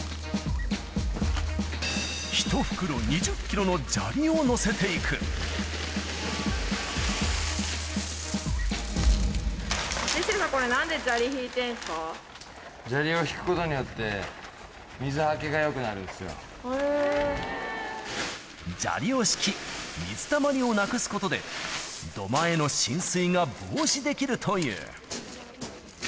１袋２０キロの砂利を乗せてジェシー、これ、なんで砂利砂利を敷くことによって、砂利を敷き、水たまりをなくすことで、土間への浸水が防止できるという。